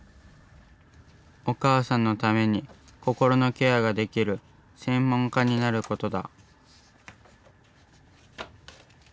お母さんのために心のケアができる専門家になることだ。